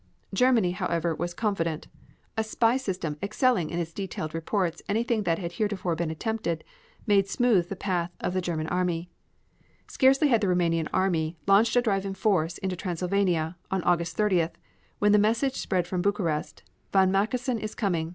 Germany, however, was confident. A spy system excelling in its detailed reports anything that had heretofore been attempted, made smooth the path of the German army. Scarcely had the Roumanian army launched a drive in force into Transylvania on August 30th, when the message spread from Bucharest "von Mackensen is coming.